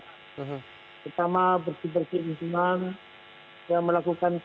pertama bersih bersih musiman